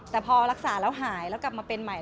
แต่พอรักษาแล้วหายแล้วกลับมาเป็นใหม่